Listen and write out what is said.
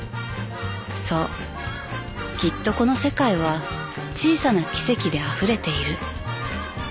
［そうきっとこの世界は小さな奇跡であふれている］